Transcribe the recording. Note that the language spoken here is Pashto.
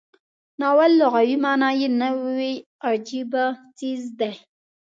ناول لغوي معنا یې نوی او عجیبه څیز دی.